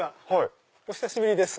お久しぶりです。